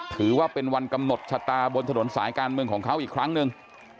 ถือว่าเป็นวันกำหนดชะตาบนถนนสายการเมืองของเขาอีกครั้งหนึ่ง